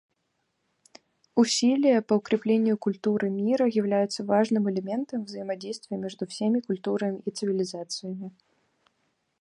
Усилия по укреплению культуры мира являются важным элементом взаимодействия между всеми культурами и цивилизациями.